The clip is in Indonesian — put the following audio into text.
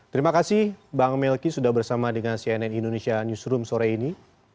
terima kasih bang melki sudah bersama dengan cnn indonesia newsroom sore ini